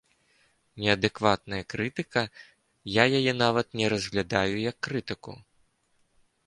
Неадэкватная крытыка, я яе нават не разглядаю як крытыку.